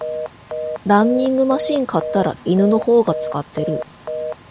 ランニングマシン買ったら犬の方が使ってる